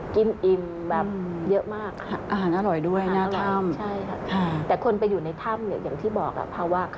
กินอิ่มเยอะมาก